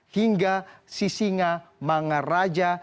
hingga sisinga mangar raja